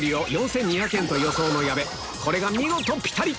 これが見事ピタリ！